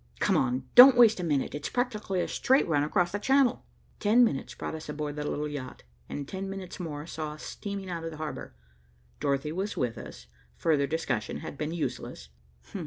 "Come on, don't waste a minute. It's practically a straight run across the channel." Ten minutes brought us aboard the little yacht and ten minutes more saw us steaming out of the harbor. Dorothy was with us. Further discussion had been useless.